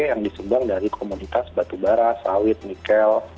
yang disumbang dari komunitas batu bara sawit nikel